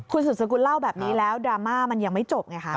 คุณสุดสกุลเล่าแบบนี้แล้วดราม่ามันยังไม่จบไงคะ